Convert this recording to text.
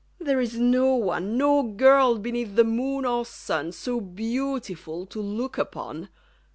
there is no one, No girl beneath the moon or sun, So beautiful to look upon!